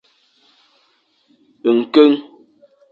Nkeng!